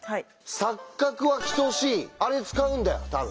「錯角は等しい」あれ使うんだよ多分。